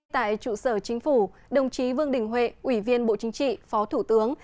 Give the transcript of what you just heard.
tại trụ sở chính phủ đồng chí vương đình huệ ủy viên bộ chính trị phó thủ tướng